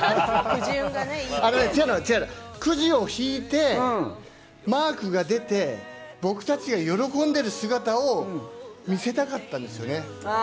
違うの、くじを引いてマークが出て、僕たちが喜んでる姿を見せたかったんですよね。